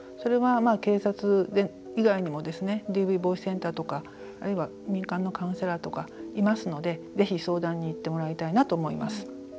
警察以外にＤＶ防止センターですとかあるいは民間のカウンセラーとかいますのでぜひ、相談に行ってもらいたいなと思います。